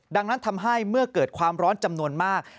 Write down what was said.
ดังนั้นทำให้เมื่อเกิดความร้อนจำนวนมาก